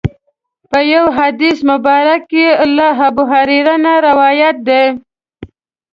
په یو حدیث مبارک کې له ابوهریره نه روایت دی.